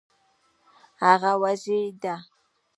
هغه وږې ده